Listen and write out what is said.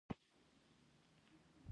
د بڼوڼو او ځنګلونو میلمنه ده، روانیږي